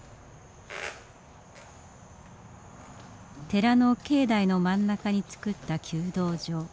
寺の境内の真ん中につくった弓道場。